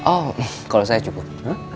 oh kalau saya cukup